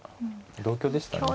同香でしたね。